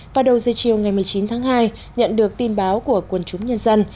vào đầu dây chiều ngày một mươi chín tháng hai nhận được tin báo của quân chúng nhân dân